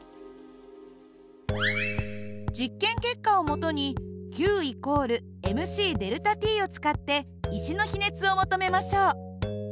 実験結果を基にＱ＝ｍｃΔＴを使って石の比熱を求めましょう。